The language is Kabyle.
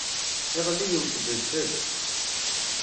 Iḍelli yewt-d udfel.